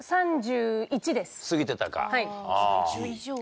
過ぎてたか。